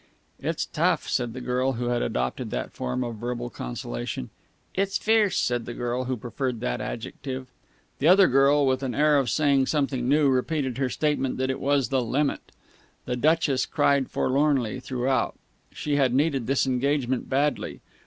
"It's tough!" said the girl who had adopted that form of verbal consolation. "It's fierce!" said the girl who preferred that adjective. The other girl, with an air of saying something new, repeated her statement that it was the limit. The Duchess cried forlornly throughout. She had needed this engagement badly.